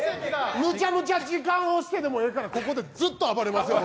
むちゃむちゃ時間押してでもいいですから、ここで暴れますよ！